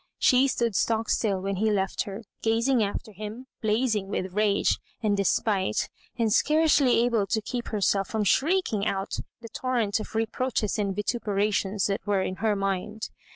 She stood stock still when he left her, gazing afler him, blazing with rage and despite, and scarcely able to keep herself from shrieking out the torrent of re liroaches and vituperations that were in her mind.